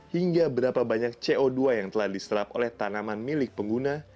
hingga berapa banyak co dua yang telah diserap oleh tanaman milik pengguna